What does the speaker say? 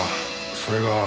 それが。